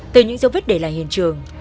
từ những dấu vết để lại hiện trường